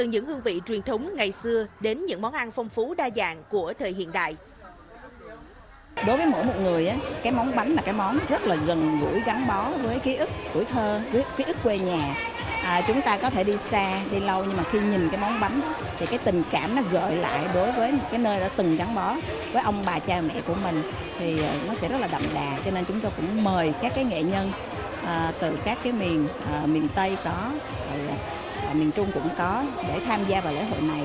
chúng ngày xưa đến những món ăn phong phú đa dạng của thời hiện đại